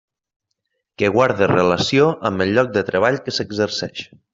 Que guarde relació amb el lloc de treball que s'exerceix.